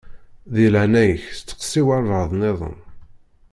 Di leɛnaya-k steqsi walebɛaḍ-nniḍen.